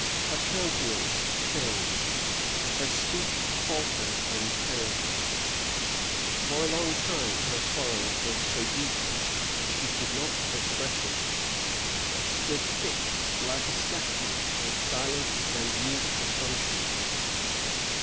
Her countenance changed; her speech faltered and failed her; for a long time, her sorrow was so deep that she could not express it, but stood fixed, like a statue, in silence and mute astonishment.